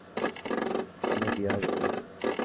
আমি দিয়ে আসবো।